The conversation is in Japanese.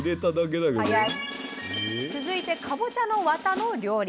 続いてかぼちゃのワタの料理。